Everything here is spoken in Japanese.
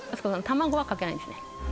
卵はかけないんですね